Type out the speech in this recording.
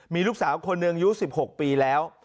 มีลูกสาวคนเนื้ออยู่๑๖ปีแล้ว